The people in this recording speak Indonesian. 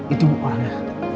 itu bu orangnya